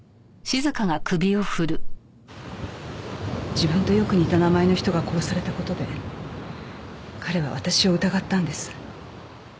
自分とよく似た名前の人が殺された事で彼は私を疑ったんです。